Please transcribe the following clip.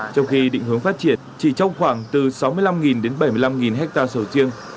trong khi định hướng phát triển chỉ trong khoảng từ sáu mươi năm đến bảy mươi năm hectare sầu riêng